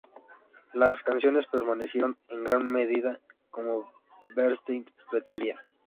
Las canciones permanecieron en gran medida como Bernstein pretendía.